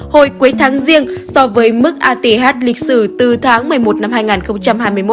hồi cuối tháng riêng so với mức ath lịch sử từ tháng một mươi một năm hai nghìn hai mươi một